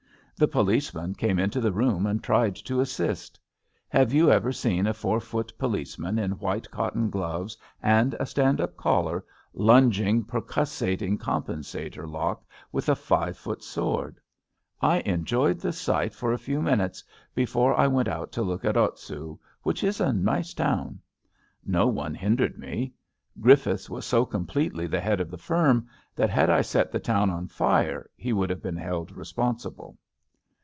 The policeman came into the room and tried to assist. Have you ever seen a four foot policeman in white cotton gloves and a stand up collar lunging percussating compensator lock snth a five foot sword? I enjoyed the sight for 68 ABAFT THE FUNNEL a few minutes before I went out to look at Otsu, which is a nice town. No one hindered me. Grif fiths was so completely the head of the firm that had I set the town on fire he would have been held responsible.